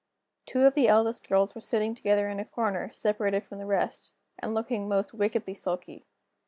Two of the eldest girls were sitting together in a corner, separated from the rest, and looking most wickedly sulky.